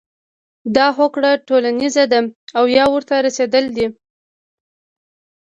دا هوکړه ټولیزه ده او یا ورته رسیدلي دي.